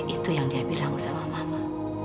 itu yang dia bilang sama mama